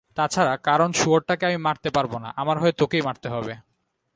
তাছাড়া কারণ শুয়োরটাকে আমি মারতে পারবো না, আমার হয়ে তোকেই মারতে হবে।